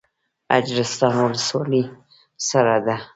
اجرستان ولسوالۍ سړه ده؟